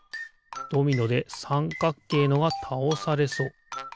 ドミノでさんかっけいのがたおされそう。